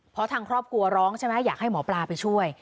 เพราะทางครอบครัวร้องใช่ไหมอยากให้หมอปลาไปช่วย